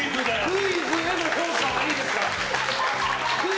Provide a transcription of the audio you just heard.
クイズへの評価はいいですから！